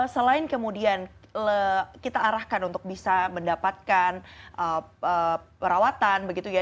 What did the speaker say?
selain kemudian kita arahkan untuk bisa mendapatkan perawatan begitu ya